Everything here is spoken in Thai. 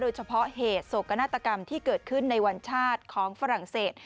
เฉพาะเหตุโศกนาฏกรรมที่เกิดขึ้นในวันชาติของฝรั่งเศส